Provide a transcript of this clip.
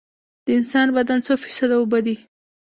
د انسان بدن څو فیصده اوبه دي؟